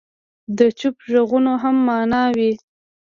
د چوپ ږغونو هم معنی وي.